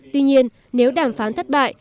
tuy nhiên nếu đàm phán thất bại